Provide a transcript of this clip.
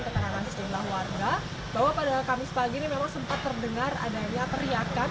ketenangan setelah warga bahwa pada kamis pagi memang sempat terdengar adanya teriakan